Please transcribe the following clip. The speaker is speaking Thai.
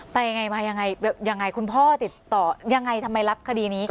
ยังไงมายังไงคุณพ่อติดต่อยังไงทำไมรับคดีนี้